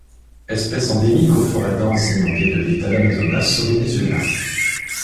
Espèce endémique aux forêts denses inondées de l'État d'Amazonas au Venezuela.